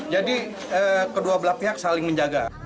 jadi kedua belah pihak saling menjaga